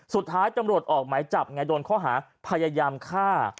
สุดท้ายจำโรทออกไหมจับไงโดนเข้าหาพยายามฆ่า